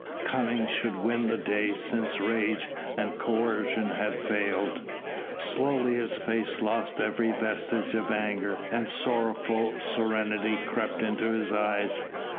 Cunning should win the day since rage and coercion had failed. Slowly his face lost every vestige of anger and sorrowful serenity crept into his eyes.